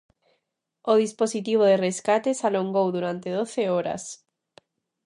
O dispositivo de rescate se alongou durante doce horas.